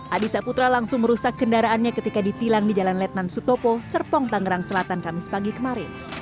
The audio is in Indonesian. adi saputra langsung merusak kendaraannya ketika ditilang di jalan letnan sutopo serpong tangerang selatan kamis pagi kemarin